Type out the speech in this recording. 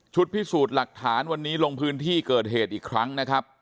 พิสูจน์หลักฐานวันนี้ลงพื้นที่เกิดเหตุอีกครั้งนะครับ